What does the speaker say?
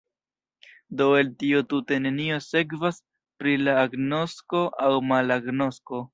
Do el tio tute nenio sekvas pri la agnosko aŭ malagnosko.